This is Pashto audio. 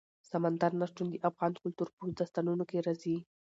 سمندر نه شتون د افغان کلتور په داستانونو کې راځي.